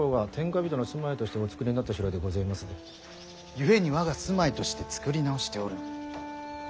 ゆえに我が住まいとして造り直しておる。